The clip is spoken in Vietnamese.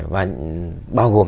và bao gồm